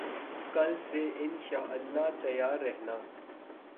کل سے ان شاءاللہ تیار رہنا